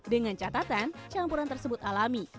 dengan catatan campuran tersebut alami